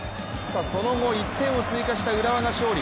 その後、１点を追加した浦和が勝利。